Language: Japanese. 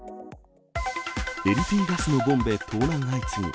ＬＰガスのボンベ盗難相次ぐ。